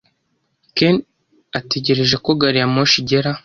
Ken ategereje ko gari ya moshi igera.